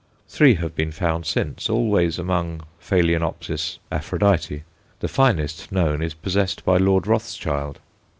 Three have been found since, always among Ph. Aphrodite; the finest known is possessed by Lord Rothschild.